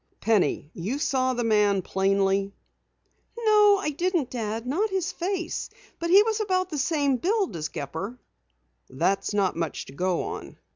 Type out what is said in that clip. Penny, you saw the man plainly?" "No, I didn't, Dad. Not his face. He was about the same build as Gepper." "That's not much to go on."